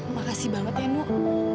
makasih banget ya nuk